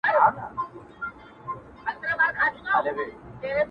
پر سر یې واوري اوروي پای یې ګلونه؛